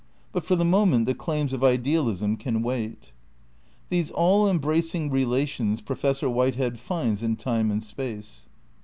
But for the moment the claims of idealism can wait. These all embracing relations Professor Whitehead finds in Time and Space.